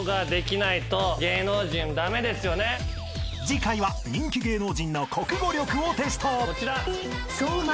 ［次回は人気芸能人の国語力をテスト］